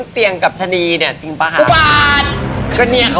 ไปแดก